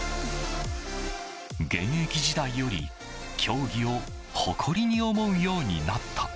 現役時代より競技を誇りに思うようになった。